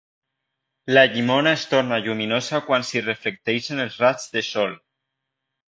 La llimona es torna lluminosa quan s'hi reflecteixen els raigs de sol